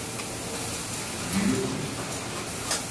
Не љутим се.